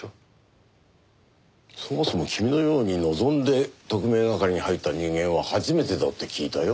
そもそも君のように望んで特命係に入った人間は初めてだって聞いたよ。